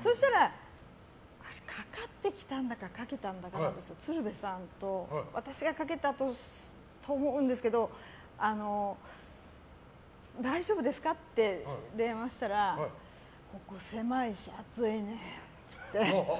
そしたら、かかってきたんだかかけたんだか分からないですけど鶴瓶さんと私がかけたと思うんですけど大丈夫ですかって電話したらここ狭いし、暑いねって言って。